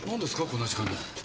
こんな時間に。